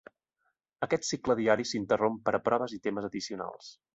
Aquest cicle diari s'interromp per a proves i temes addicionals.